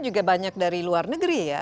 juga banyak dari luar negeri ya